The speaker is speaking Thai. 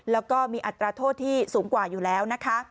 แล้วก็มีอัตราโทษที่สูงกว่าอยู่แล้วนะคะ